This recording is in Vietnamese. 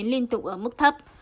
liên tục ở mức thấp